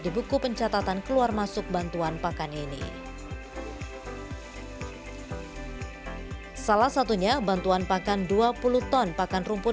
di buku pencatatan keluar masuk bantuan pakan ini salah satunya bantuan pakan dua puluh ton pakan rumput